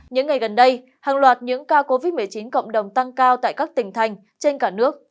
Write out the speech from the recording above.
những ngày gần đây hàng loạt những ca covid một mươi chín cộng đồng tăng cao tại các tỉnh thành trên cả nước